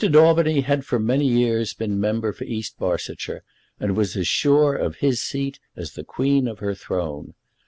Daubeny had for many years been member for East Barsetshire, and was as sure of his seat as the Queen of her throne.